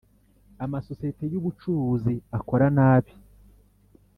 amasosiyete y’ ubucuruzi akora nabi.